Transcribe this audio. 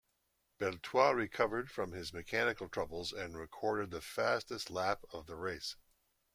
Beltoise recovered from his mechanical troubles and recorded the fastest lap of the race.